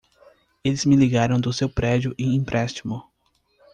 Eles me ligaram do seu prédio e empréstimo.